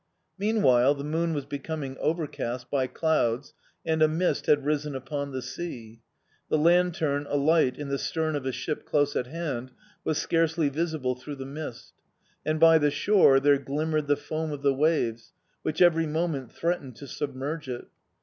Meanwhile the moon was becoming overcast by clouds and a mist had risen upon the sea. The lantern alight in the stern of a ship close at hand was scarcely visible through the mist, and by the shore there glimmered the foam of the waves, which every moment threatened to submerge it.